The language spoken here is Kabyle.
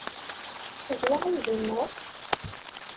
D wa i d imal?